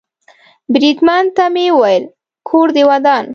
بریدمن ته مې وویل: کور دې ودان.